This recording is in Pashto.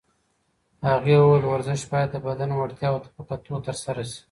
هغې وویل ورزش باید د بدن وړتیاوو ته په کتو ترسره شي.